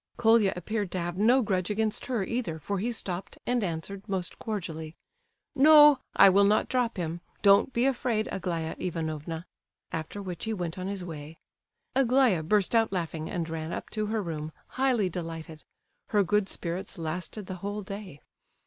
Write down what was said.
Colia appeared to have no grudge against her, either, for he stopped, and answered most cordially: "No, I will not drop him! Don't be afraid, Aglaya Ivanovna!" After which he went on his way. Aglaya burst out laughing and ran up to her room, highly delighted. Her good spirits lasted the whole day.